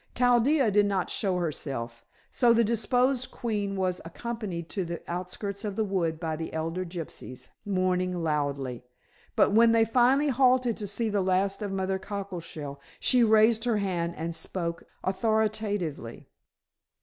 Chaldea did not show herself, so the deposed queen was accompanied to the outskirts of the wood by the elder gypsies, mourning loudly. But when they finally halted to see the last of Mother Cockleshell, she raised her hand and spoke authoritatively.